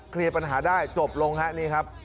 เคลียร์ปัญหาได้จบลงครับนี่ครับ